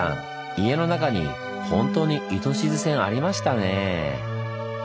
家の中にほんとに糸静線ありましたね。